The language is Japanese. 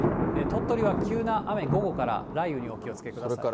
鳥取は急な雨に午後から雷雨にお気をつけください。